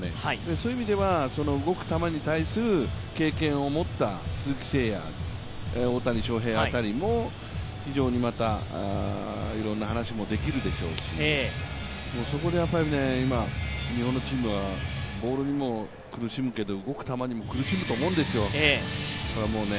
そういう意味では、動く球に対する経験を持った鈴木誠也、大谷翔平辺りも非常にまたいろんな話もできるでしょうし日本のチームはボールにも苦しむけど動く球にも苦しむと思うんですよ。